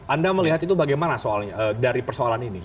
anda melihat itu bagaimana dari persoalan ini